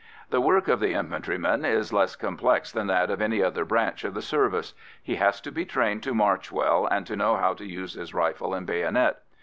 The work of the infantryman is less complex than that of any other branch of the service: he has to be trained to march well and to know how to use his rifle and bayonet.